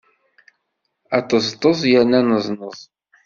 Aṭeẓṭeẓ yerna aneẓneẓ.